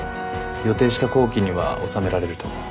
予定した工期には納められると思う。